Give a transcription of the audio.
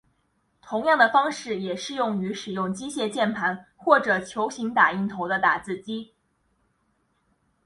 同样的方式也适用于使用机械键盘或者球形打印头的打字机。